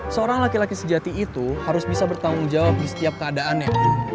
seorang laki laki sejati itu harus bisa bertanggung jawab di setiap keadaannya